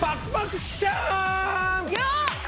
よっ！